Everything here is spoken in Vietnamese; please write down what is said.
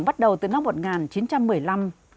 bắt đầu từ năm một nghìn chín trăm một mươi năm